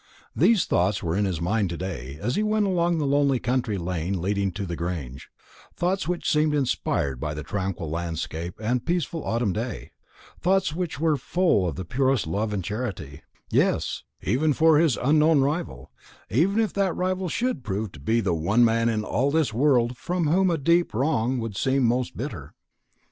These thoughts were in his mind to day as he went along the lonely country lane leading to the Grange; thoughts which seemed inspired by the tranquil landscape and peaceful autumn day; thoughts which were full of the purest love and charity, yes, even for his unknown rival, even if that rival should prove to be the one man in all this world from whom a deep wrong would seem most bitter.